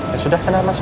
ya sudah saya naik masuk